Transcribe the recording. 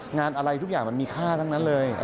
งานอะไรทุกอย่างมันมีค่าทั้งนั้นเลย